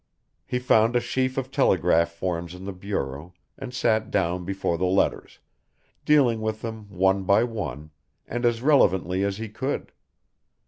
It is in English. He found a sheaf of telegraph forms in the bureau, and sat down before the letters, dealing with them one by one, and as relevantly as he could.